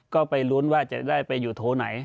ก็ไปลุ้นว่าจะได้ไปอยู่โถไหน